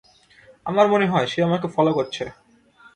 আমার মনে হয় সে আমাকে ফলো করছে।